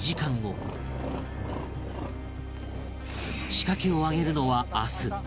仕掛けを揚げるのは明日